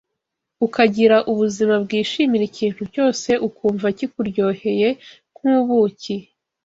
ukagira ubuzima bwishimira ikintu cyose ukumva kikuryoheye nk’ubuki